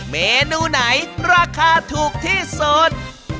เมนูไหนราคาถูกที่สุด